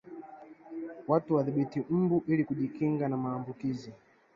Watu wadhibiti mbu ili kujikinga na maambukizi